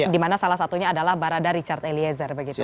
dimana salah satunya adalah barara richard eliezer